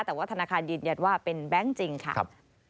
แต่ว่าธนาคารยืนยันว่าเป็นแบงค์จริงค่ะ